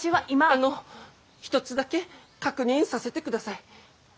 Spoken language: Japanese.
あの一つだけ確認させてください。